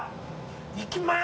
いきます！